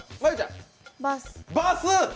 バス？